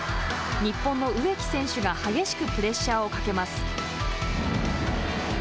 日本の植木選手が激しくプレッシャーをかけます。